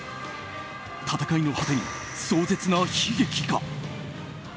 闘いの果てに壮絶な悲劇が。